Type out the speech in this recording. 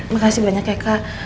makasih banyak ya kak